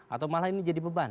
atau malah ini jadi beban